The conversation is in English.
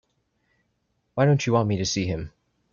Why don't you want me to see him?